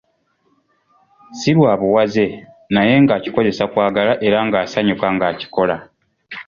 Si lwa buwaze naye ng'akikozesa kwagala era nga asanyuka ng'akikola.